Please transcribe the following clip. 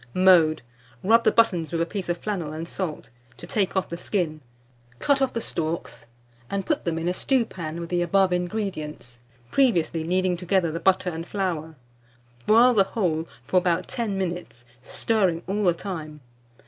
Mode. Rub the buttons with a piece of flannel and salt, to take off the skin; cut off the stalks, and put them in a stewpan with the above ingredients, previously kneading together the butter and flour; boil the whole for about ten minutes, stirring all the time.